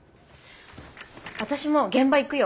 私も現場行くよ。